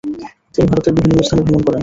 তিনি ভারতের বিভিন্ন স্থানে ভ্রমণ করেন।